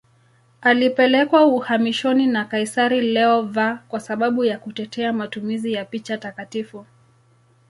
Alipelekwa uhamishoni na kaisari Leo V kwa sababu ya kutetea matumizi ya picha takatifu.